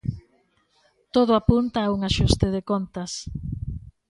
Todo apunta a un axuste de contas.